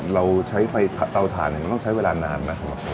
เราใช้เตาถ่านมันต้องใช้เวลานานนะ